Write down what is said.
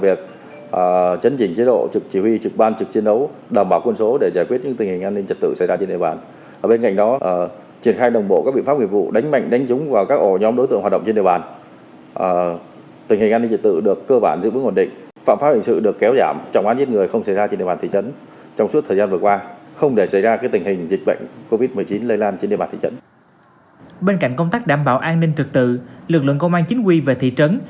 bên cạnh công tác đảm bảo an ninh trật tự lực lượng công an chính quy về thị trấn